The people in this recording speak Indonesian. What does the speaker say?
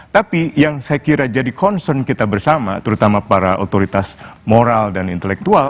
tapi yang saya kira jadi concern kita bersama terutama para otoritas moral dan intelektual